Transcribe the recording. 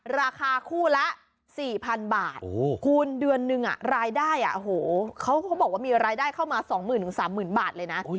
ราคาคู่ละ๔๐๐๐บาทคูณเดือนนึงรายได้เขาบอกว่ามีรายได้เข้ามา๒๐๐๐๓๐๐บาทเลยนะ